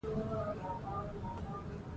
ژبې د افغانستان د زرغونتیا نښه ده.